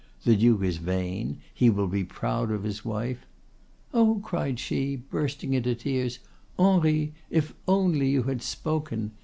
The Duke is vain; he will be proud of his wife.'—'Oh!' cried she, bursting into tears, 'Henri, if only you had spoken!